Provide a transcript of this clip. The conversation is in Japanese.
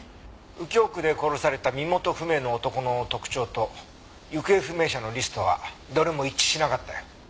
「右京区で殺された身元不明の男の特徴と行方不明者のリストはどれも一致しなかったよ」